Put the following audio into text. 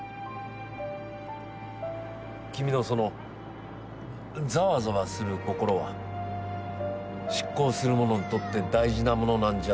君のそのざわざわする心は執行する者にとって大事なものなんじゃないかと感じてる。